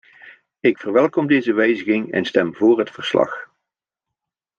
Ik verwelkom deze wijziging en stem voor het verslag.